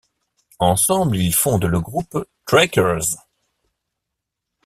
Ensemble, ils fondent le groupe Trackers.